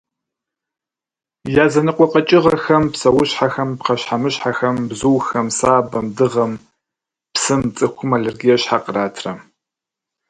Языныкъуэ къэкӏыгъэхэм, псэущхьэхэм, пхъэщхьэмыщхьэхэм, бзухэм, сабэм, дыгъэм, псым цӏыхум аллергие щхьэ къратрэ?